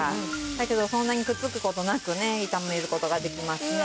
だけどそんなにくっつく事なくね炒める事ができますね。